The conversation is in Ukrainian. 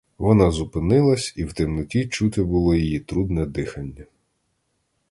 Вона зупинилась і в темноті чути було її трудне дихання.